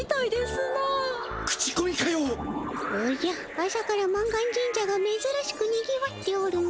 朝から満願神社がめずらしくにぎわっておるの。